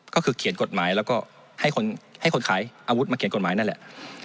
ก็คือเขียนกฎหมายแล้วก็ให้คนขายอาวุธมาเขียนกฎหมายนั่นแหละ